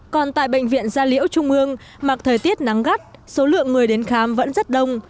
còn tại bệnh viện gia liễu trung ương mặc thời tiết nắng gắt số lượng người đến khám vẫn rất đông